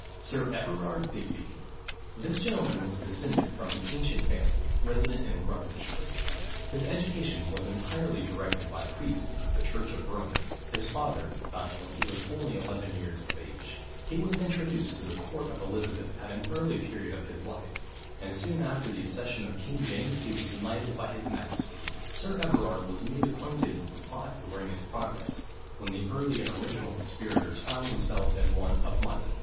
SIR EVERARD DIGBY. This gentleman was descended from an ancient family, resident in Rutlandshire. His education was entirely directed by priests of the church of Rome, his father dying when he was only eleven years of age. He was introduced to the court of Elizabeth at an early period of his life; and soon after the accession of King James was knighted by his majesty. Sir Everard was made acquainted with the plot during its progress, when the early and original conspirators found themselves in want of money.